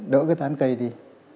đỡ cái tán cây đi